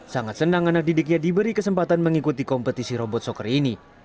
sangat senang anak didiknya diberi kesempatan mengikuti kompetisi robot soccer ini